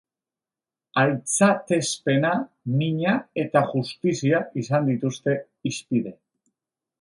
Aintzatespena, mina eta justizia izan dituzte hizpide.